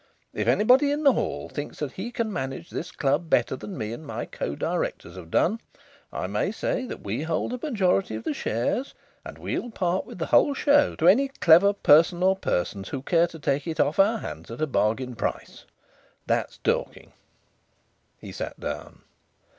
If anybody in the hall thinks he can manage this club better than me and my co Directors have done, I may say that we hold a majority of the shares, and we'll part with the whole show to any clever person or persons who care to take it off our hands at a bargain price. That's talking." He sat down.